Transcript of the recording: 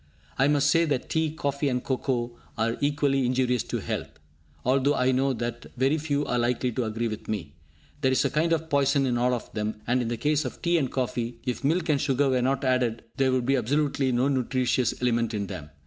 I must say that tea, coffee and cocoa are equally injurious to health, although I know that very few are likely to agree with me. There is a kind of poison in all of them; and, in the case of tea and coffee, if milk and sugar were not added, there would be absolutely no nutritious element in them.